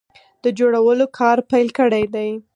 د جوړولو کار پیل کړی دی